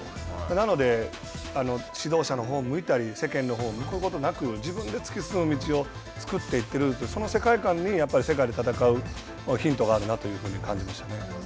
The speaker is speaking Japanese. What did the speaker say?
なので、指導者のほうを向いたり、世間のほうを向くことなく、自分で進む道を突き進んでいくその世界観にやっぱり世界で戦うヒントがあるなというふうに感じましたね。